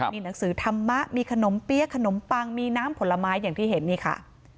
มีหนังสือธรรมะมีขนมเปี๊ยะขนมปังมีน้ำผลไม้อย่างที่เห็นนี่ค่ะ